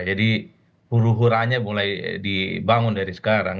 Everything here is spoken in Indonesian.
jadi huru huranya mulai dibangun dari sekarang